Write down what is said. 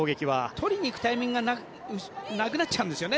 取りにいくタイミングがなくなっちゃうんですよね。